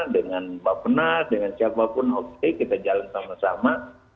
dengan bapak penat dengan siapapun oke kita jalan sama sama